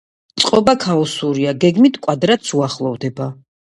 წყობა ქაოსურია; გეგმით კვადრატს უახლოვდება.